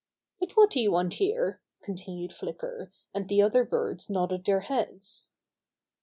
"But what do you want here?" continued Flicker, and the other birds nodded their heads.